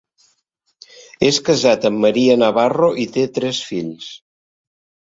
És casat amb Maria Navarro i té tres fills: